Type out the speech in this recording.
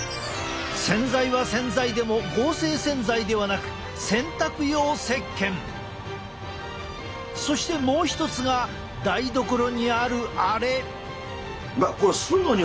洗剤は洗剤でも合成洗剤ではなくそしてもう一つが台所にあるあれ！